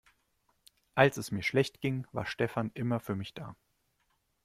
Als es mir schlecht ging, war Stefan immer für mich da.